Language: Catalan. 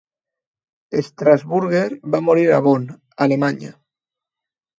Strasburger va morir a Bonn, Alemanya.